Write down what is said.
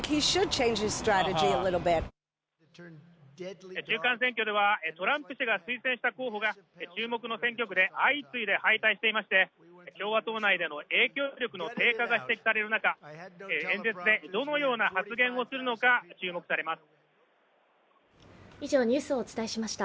中間選挙ではトランプ氏が推薦した候補が注目の選挙区で相次いで敗退していまして共和党内での影響力の低下が指摘される中、演説でどのような発言をするのか注目されます。